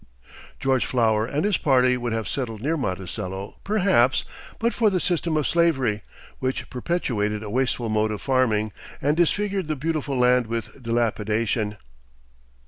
George Flower and his party would have settled near Monticello, perhaps, but for the system of slavery, which perpetuated a wasteful mode of farming, and disfigured the beautiful land with dilapidation.